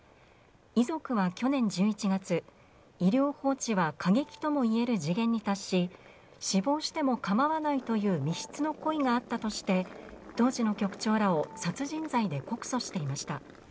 遺族は去年１１月、医療放置は過激ともいえる次元に達し死亡してもかまわないという未必の故意があったとして当時の局長らを殺人罪で告訴していました。